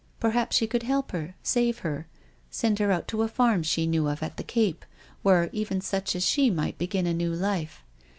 Perhaps she could help her, save her, send her out to a farm she knew of at the Cape, where even such as she might begin a new life.